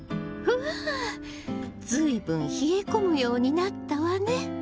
うわ随分冷え込むようになったわね。